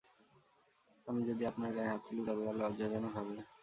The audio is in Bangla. আমি যদি আপনার গায়ে হাত তুলি, তবে তা লজ্জাজনক হবে।